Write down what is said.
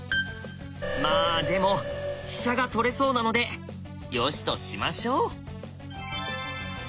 まあでも飛車が取れそうなのでよしとしましょう！